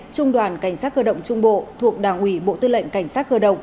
trung đoàn cảnh sát cơ động trung bộ thuộc đảng ủy bộ tư lệnh cảnh sát cơ động